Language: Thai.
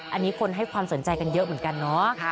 อันนี้คนให้ความสนใจกันเยอะเหมือนกันเนาะ